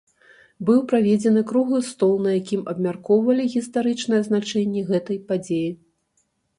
Быў праведзены круглы стол, на якім абмяркоўвалі гістарычнае значэнне гэтай падзеі.